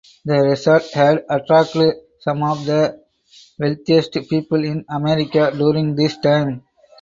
The resort had attracted some of the wealthiest people in America during this time.